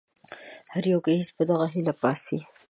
هر يو ګهيځ په دغه هيله پاڅي